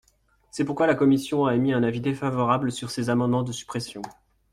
C’est pourquoi la commission a émis un avis défavorable sur ces amendements de suppression.